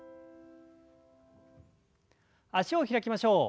脚を開きましょう。